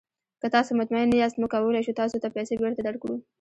که تاسو مطمین نه یاست، موږ کولی شو تاسو ته پیسې بیرته درکړو.